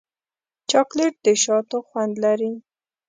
چاکلېټ د شاتو خوند لري.